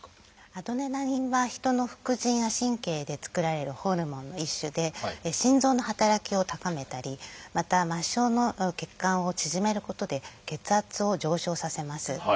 アドレナリンは人の副腎や神経で作られるホルモンの一種で心臓の働きを高めたりまた末梢の血管を縮めることで血圧を上昇させます。